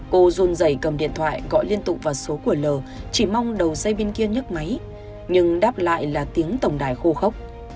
cô dồn giày cầm điện thoại gọi liên tục vào số của l chỉ mong đầu dây bên kia nhấc máy nhưng đáp lại là tiếng tổng đài khô khốc